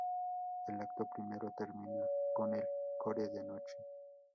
El acto primero termina con el "Coro de Noche.